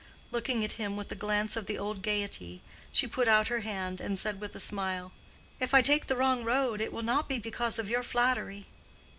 Looking at him with a glance of the old gayety, she put out her hand, and said with a smile, "If I take the wrong road, it will not be because of your flattery."